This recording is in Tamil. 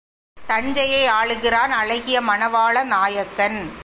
தஞ்சையை ஆளுகிறான் அழகிய மணவாள நாயக்கன்.